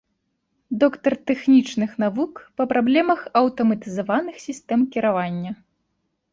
Доктар тэхнічных навук па праблемах аўтаматызаваных сістэм кіравання.